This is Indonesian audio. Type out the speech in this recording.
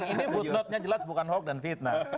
ini footnotenya jelas bukan hoax dan fitnah